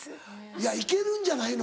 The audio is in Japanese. いやいけるんじゃないの？